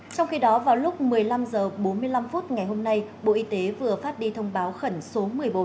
trong khi đó vào lúc một mươi năm h bốn mươi năm ngày hôm nay bộ y tế vừa phát đi thông báo khẩn số một mươi bốn